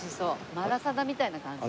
マラサダみたいな感じかな？